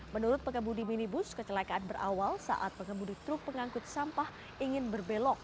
menurut pengemudi minibus kecelakaan berawal saat pengemudi truk pengangkut sampah ingin berbelok